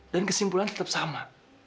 dan kesimpulan tetep sama